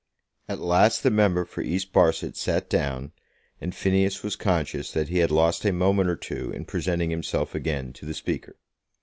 At last the member for East Barset sat down, and Phineas was conscious that he had lost a moment or two in presenting himself again to the Speaker.